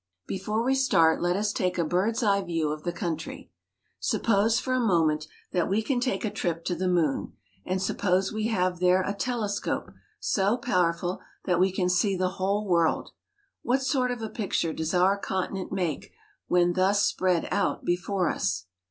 Before we start let us take a bird's eye view of the country. Suppose, for a moment, that we can take a trip to the moon, and suppose we have there a telescope so powerful that we can see the whole world ; what sort of a picture does our continent make when thus spread out before us?